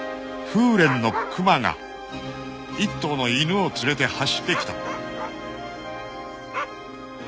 ［風連のクマが１頭の犬を連れて走ってきた］